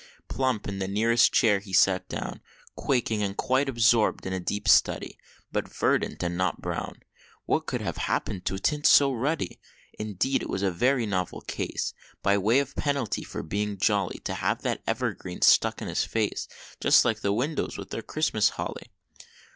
Plump in the nearest chair he sat him down, Quaking, and quite absorb'd in a deep study, But verdant and not brown, What could have happened to a tint so ruddy? Indeed it was a very novel case, By way of penalty for being jolly, To have that evergreen stuck in his face, Just like the windows with their Christmas holly.